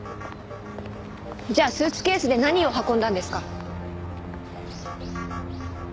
じゃあスーツケースで何を運んだんですか？